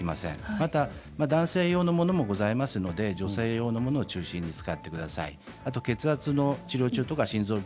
また男性用のものもございますので女性用のものを中心に使ってください。